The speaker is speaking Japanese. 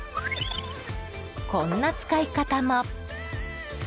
こんな使い方も。